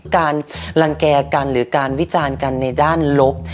การรังแก่กันหรือการวิจารณ์กันในด้านลบ